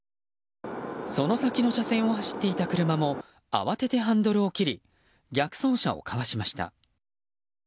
その先の車線を走っていた車も慌ててハンドルを切り逆走車をかわしました。